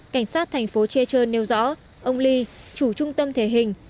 cảnh sát thành phố chechur nêu rõ ông lee chủ trung tâm thể hình